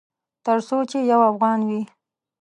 ترڅو چې یو افغان وي